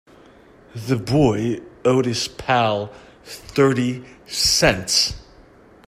The boy owed his pal thirty cents.